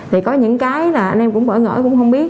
thì có những cái là anh em cũng bỡ ngỡ cũng không biết